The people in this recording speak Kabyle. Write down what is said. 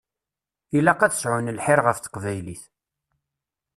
Ilaq ad sɛun lḥir ɣef teqbaylit.